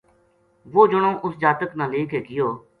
وہ جنو اس جاتک نا لے گیو